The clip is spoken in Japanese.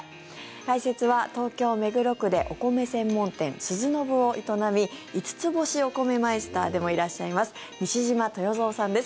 解説は東京・目黒区でお米専門店、スズノブを営み五ツ星お米マイスターでもいらっしゃいます西島豊造さんです。